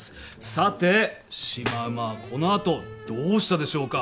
さてシマウマはこの後どうしたでしょうか？